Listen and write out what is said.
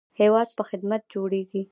هیواد په خدمت جوړیږي